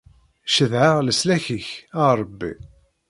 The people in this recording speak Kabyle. Cedhaɣ leslak-ik, a Rebbi.